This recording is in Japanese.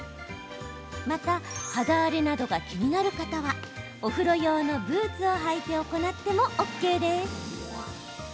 また、肌荒れなどが気になる方はお風呂用のブーツを履いて行ってもＯＫです。